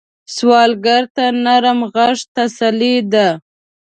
سوالګر ته نرم غږ تسلي ده